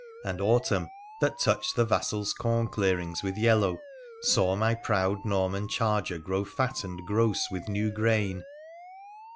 And autumn, that touched the vassals' corn clearings with yellow, saw my proud Norman charger grow fat and gross with new grain.